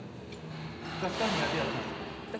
昔から苦手やったんですか？